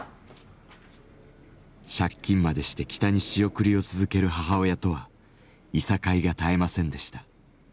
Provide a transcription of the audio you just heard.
借金までして北に仕送りを続ける母親とはいさかいが絶えませんでした。